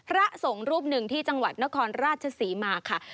พระสงฆ์รูปหนึ่งที่จังหวัดนครราชศรีมาค่ะ